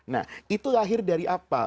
nah itu lahir dari apa